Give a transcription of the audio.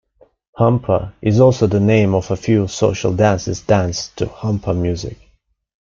Humppa is also the name of a few social dances danced to humppa music.